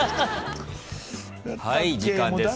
はい時間です。